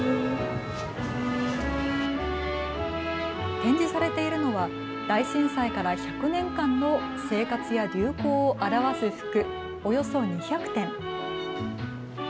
展示されているのは大震災から１００年間の生活や流行を表す服、およそ２００点。